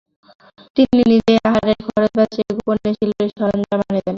তাই তিনি নিজের আহারের খরচ বাঁচিয়ে গোপনে শিল্পের সরঞ্জাম কিনিয়ে আনতেন।